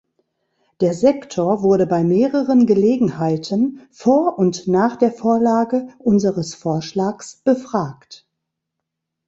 Der Sektor wurde bei mehreren Gelegenheiten vor und nach der Vorlage unseres Vorschlags befragt.